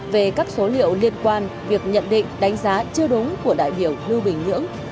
về các số liệu liên quan việc nhận định đánh giá chưa đúng của đại biểu lưu bình nhưỡng